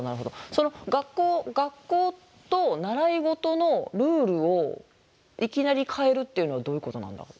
その学校と習い事のルールをいきなり変えるっていうのはどういうことなんだろう？